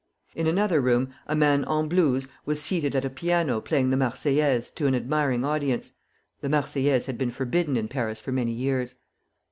In another room a man en blouse was seated at a piano playing the "Marseillaise" to an admiring audience (the "Marseillaise" had been forbidden in Paris for many years).